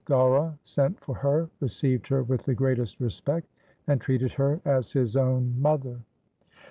Gaura sent for her, received her with the greatest respect, and treated her as his own mother.